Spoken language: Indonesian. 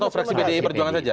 atau fraksi pdi perjuangan saja